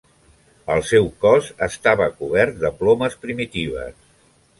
El seu cos estava cobert de plomes primitives.